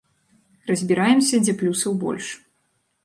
Разбіраемся, дзе плюсаў больш.